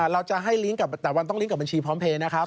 เราจะให้ลิงก์กับแต่วันต้องลิงกับบัญชีพร้อมเพลย์นะครับ